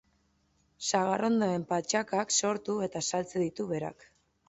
Sagarrondoen patxakak sortu eta saltze ditu berak.